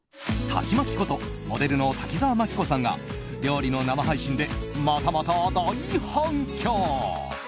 タキマキことモデルの滝沢眞規子さんが料理の生配信で、またまた大反響。